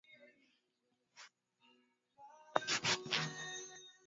Raisi Kenyatta mwenyeji wa mkutano wa wakuu wa nchi za jumuia ya Afrika ya Mashariki